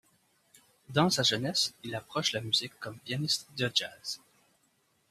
D ans sa jeunesse il approche la musique comme pianiste de jazz.